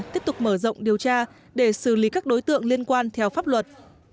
tiếp tục mở rộng điều tra để xử lý các đối tượng liên quan theo pháp luật